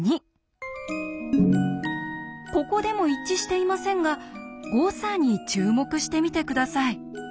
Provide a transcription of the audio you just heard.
ここでも一致していませんが誤差に注目してみて下さい。